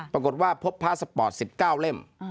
ปรากฏว่าพบพาสปอร์ต๑๙เล่ม